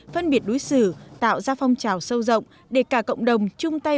phân biệt đối xử tạo ra phong trào sâu rộng để cả cộng đồng chung tay